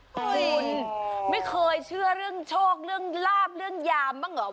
คุณไม่เคยเชื่อเรื่องโชคเรื่องลาบเรื่องยามบ้างเหรอ